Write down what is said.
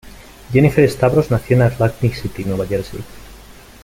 Jennifer Stavros nació en Atlantic City, Nueva Jersey.